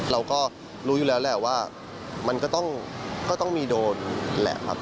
เราก็รู้อยู่แล้วแหละว่ามันก็ต้องมีโดนแหละครับ